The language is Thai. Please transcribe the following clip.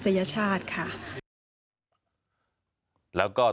ตามแนวทางศาสตร์พระราชาของในหลวงราชการที่๙